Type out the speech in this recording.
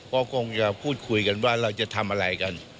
ก็คงจะพูดคุยกันว่าเราจะทำอะไรกัน